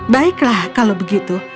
baiklah kalau begitu